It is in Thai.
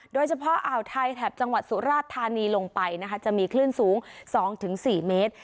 อ่าวไทยแถบจังหวัดสุราชธานีลงไปนะคะจะมีคลื่นสูง๒๔เมตร